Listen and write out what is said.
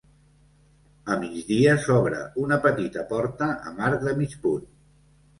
A migdia s'obre una petita porta amb arc de mig punt.